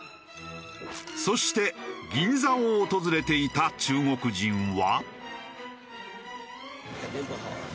そして銀座を訪れていた中国人は。